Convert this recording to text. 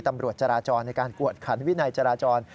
ตำรวจจราจรในการกวดขันวินัยจราจร